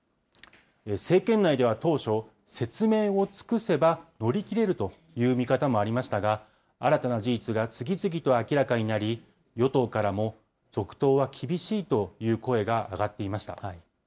政権内では当初、説明を尽くせば乗り切れるという見方もありましたが、新たな事実が次々と明らかになり、与党からも続投は厳しいという声が上がっていました。